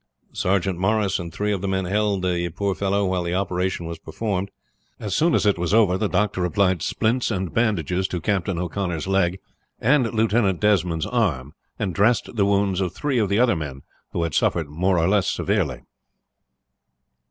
Sergeant Morris and three of the men held the poor fellow while the operation was performed. As soon as it was over the doctor applied splints and bandages to Captain O'Connor's leg and Lieutenant Desmond's arm, and dressed the wounds of three of the other men, who had suffered more or less severely.